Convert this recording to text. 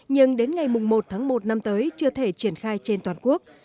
nhưng đến ngày một một hai nghìn hai mươi chưa thể triển khai trên toàn quốc